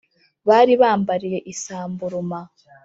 Bari bambariye isamburuma